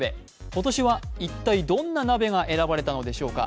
今年は一体、どんな鍋が選ばれたのでしょうか。